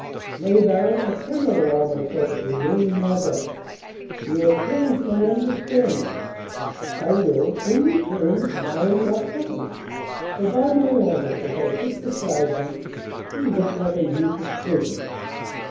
"Nay, baron, I cannot allow myself to remain in your debt. You have praised my understanding, I will, in return, admire your countenance; for by my honour, as I sit beside you, you look like a youth of twenty.